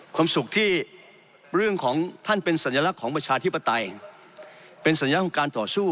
ความสุขที่เรื่องของท่านเป็นสัญลักษณ์ของประชาธิปไตยเป็นสัญลักษณ์ของการต่อสู้